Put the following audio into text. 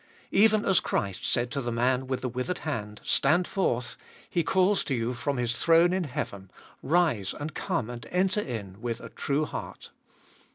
Even as Christ said to the man with the withered hand, Stand forth, He calls to you from His throne in heaven, Rise, and come and enter in with a true heart.